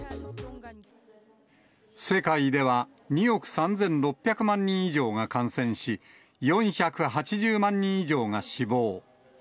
世界では２億３６００万人以上が感染し、４８０万人以上が死亡。